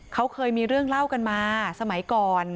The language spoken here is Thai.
เขาเคยมีเรื่องเล่ากันมาสมัยก่อน